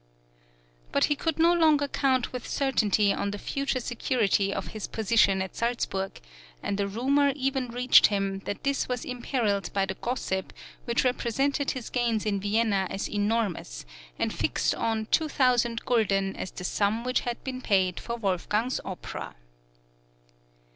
But he could no longer count with certainty on the future security of his position at Salzburg, and a rumour even reached him that this was imperilled by the gossip which represented his gains in Vienna as enormous, and fixed on 2,000 gulden as the sum which had been paid for Wolfgang's opera.